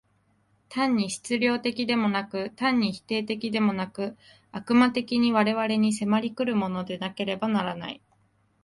単に質料的でもなく、単に否定的でもなく、悪魔的に我々に迫り来るものでなければならない。